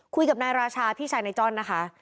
คุยกับนายราชาพี่ชายนายจ้อนนะคะ